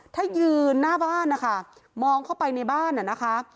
ถ้ายืนหน้าบ้านนะคะมองเข้าไปในบ้านน่ะนะคะ